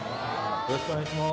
よろしくお願いします。